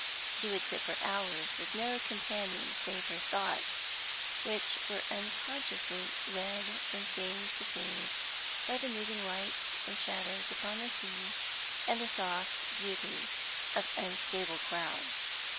She would sit for hours with no companion save her thoughts, which were unconsciously led from phase to phase by the moving lights and shadows upon the sea, and the soft beauty of unstable clouds.